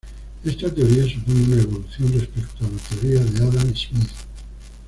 Esta teoría supone una evolución respecto a la teoría de Adam Smith.